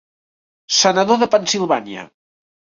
Senador de Pennsilvània.